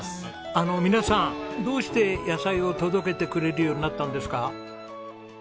あの皆さんどうして野菜を届けてくれるようになったんですか？